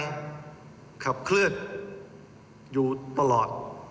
ขับเคลื่อนอยู่ตลอด